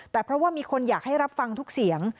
แต่เพราะว่ามีคนอยากให้รับฟังทุกเสียง